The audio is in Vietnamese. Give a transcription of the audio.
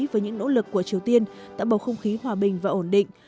với những nỗ lực của triều tiên tạo bầu không khí hòa bình và ổn định